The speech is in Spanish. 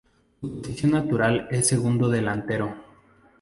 Su posición natural es segundo delantero.